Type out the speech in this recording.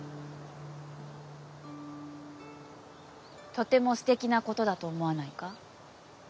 とてもすてきなことだと思わないか？